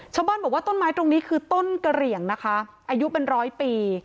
ชาวบ้านบอกว่าต้นไม้ตรงนี้คือต้นกระเหลี่ยงนะคะอายุเป็นร้อยปี